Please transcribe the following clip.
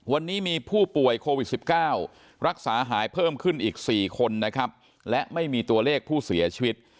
วันนี้มีผู้ป่วยโควิด๑๙รักษาหายเพิ่มขึ้นอีก๔คนนะครับและไม่มีตัวเลขผู้เสียชีวิต